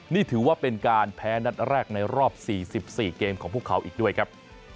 นี่ถือว่าเป็นการแพ้นัดแรกในรอบ๔๔เกมของพวกเขาอีกด้วยครับ